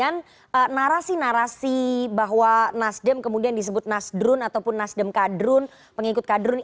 dengan narasi narasi bahwa nasdem kemudian disebut nasdrun ataupun nasdem kadrun pengikut kadrun